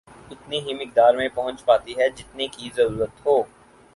اتنی ہی مقدار میں پہنچ پاتی ہے جتنی کہ ضرورت ہو